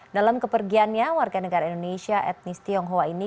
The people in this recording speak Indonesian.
dalam kepergiannya warga negara indonesia etnis tionghoa ini